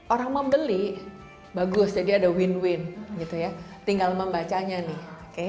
orang membeli bagus jadi ada win win gitu ya tinggal membacanya nih oke